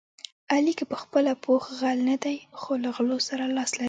علي که په خپله پوخ غل نه دی، خو له غلو سره لاس لري.